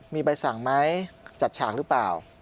มีใบสั่งไหมจัดฉากหรือเปล่า